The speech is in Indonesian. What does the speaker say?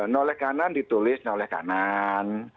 noleh kanan ditulis noleh kanan